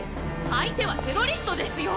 相手はテロリストですよ？